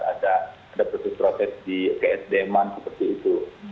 ada proses proses di ksd man seperti itu